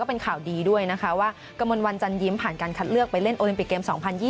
เป็นข่าวดีด้วยนะคะว่ากระมวลวันจันยิ้มผ่านการคัดเลือกไปเล่นโอลิมปิกเกม๒๐๒๐